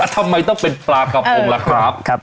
ทำไมต้องเป็นปลากระพงล่ะครับ